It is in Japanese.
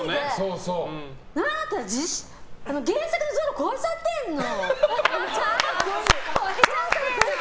なんだったら原作のゾロ超えちゃってんの！